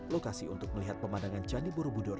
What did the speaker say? lokasi untuk melihat pemandangan candi borobudur